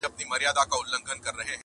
چي حاضره يې شېردل ته بوډۍ مور کړه-